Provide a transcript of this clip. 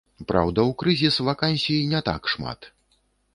Праўда, у крызіс вакансій не так шмат.